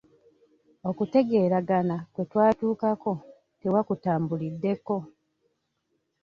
Okutegeeragana kwe twatuukako tewakutambuliddeko.